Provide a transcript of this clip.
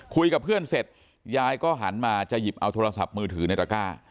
คุยกับเพื่อนเสร็จยายก็หันมาจะหยิบเอาโทรศัพท์มือถือในตระก้า